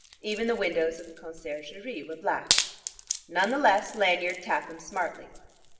Even the windows of the conciergerie were black. None the less, Lanyard tapped them smartly.